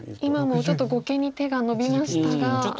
今もちょっと碁笥に手が伸びましたが。